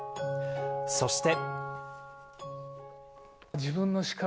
そして。